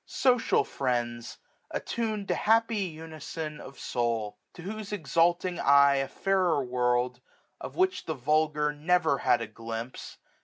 Social ft iends, Attun'd to happy unison of soul ; To whose exalting eye a fairer world, 1385 Of which the vulgar never had a glimpse.